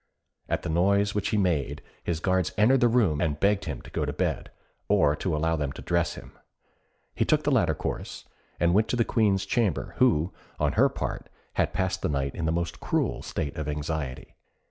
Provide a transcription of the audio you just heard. At the noise which he made his guards entered the room and begged him to go to bed, or to allow them to dress him. He took the latter course, and went to the Queen's chamber, who, on her part, had passed the night in the most cruel state of anxiety.